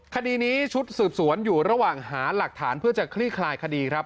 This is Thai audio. คดีนี้ชุดสืบสวนอยู่ระหว่างหาหลักฐานเพื่อจะคลี่คลายคดีครับ